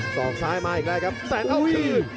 สองซ้ายมาอีกแล้วครับแสงเอาคืน